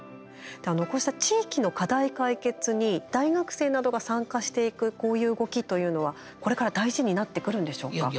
こうした地域の課題解決に大学生などが参加していくこういう動きというのはこれから大事にいやいや